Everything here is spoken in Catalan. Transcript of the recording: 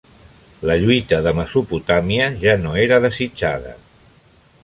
La lluita de Mesopotàmia ja no era desitjada.